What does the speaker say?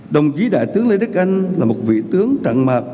đồng chí đại tướng lê đức anh là một vị tướng trận mạc